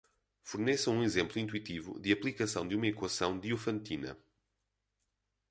Forneça um exemplo intuitivo de aplicação de uma equação Diofantina.